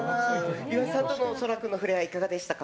岩井さんとソラ君との触れ合いいかがでしたか？